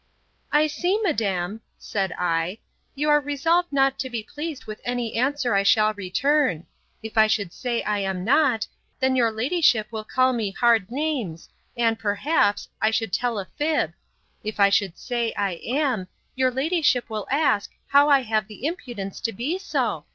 I see, madam, said I, you are resolved not to be pleased with any answer I shall return: If I should say, I am not, then your ladyship will call me hard names, and, perhaps, I should tell a fib. If I should say, I am, your ladyship will ask, how I have the impudence to be so?